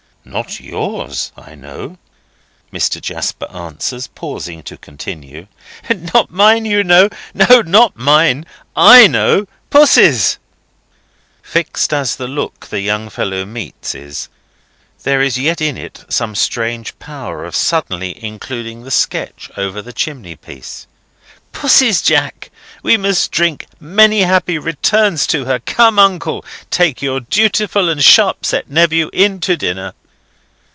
"Not yours, I know," Mr. Jasper answers, pausing to consider. "Not mine, you know? No; not mine, I know! Pussy's!" Fixed as the look the young fellow meets, is, there is yet in it some strange power of suddenly including the sketch over the chimneypiece. "Pussy's, Jack! We must drink Many happy returns to her. Come, uncle; take your dutiful and sharp set nephew in to dinner."